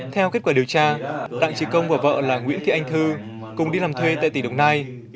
theo kết quả điều tra đặng trí công và vợ là nguyễn thị anh thư cùng đi làm thuê tại tỉnh đồng nai